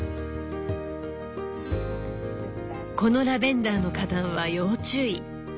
このラベンダーの花壇は要注意。